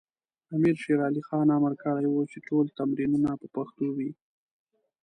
امیر شیر علی خان امر کړی و چې ټول تمرینونه په پښتو وي.